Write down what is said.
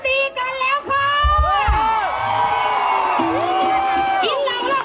จิ๊บเราแล้วครูกัน